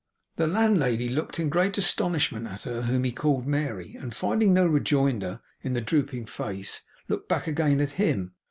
The landlady looked in great astonishment at her whom he called Mary, and finding no rejoinder in the drooping face, looked back again at him.